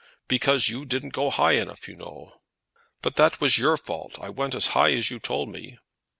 "Because you didn't go high enough, you know." "But that was your fault. I went as high as you told me."